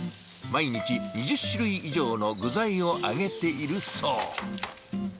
毎日２０種類以上の具材を揚げているそう。